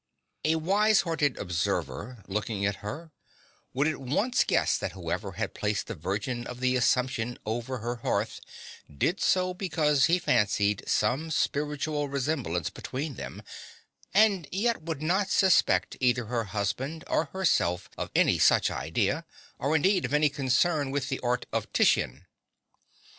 A wisehearted observer, looking at her, would at once guess that whoever had placed the Virgin of the Assumption over her hearth did so because he fancied some spiritual resemblance between them, and yet would not suspect either her husband or herself of any such idea, or indeed of any concern with the art of Titian.